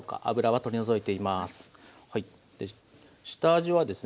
はい。